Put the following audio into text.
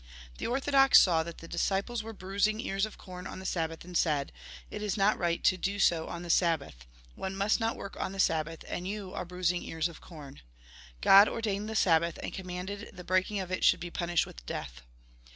The orthodox saw that the disciples were bruising ears of corn on the Sabbath, and said :" It is not right to do so on the Sabbath. One must not work on the Sabbath, and you are bruising ears of corn. God ordained the Sabbath, and commanded the breaking of it should be punished with death."